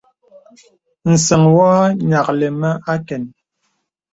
Nsəŋ wɔ nyìaklì mə àkən.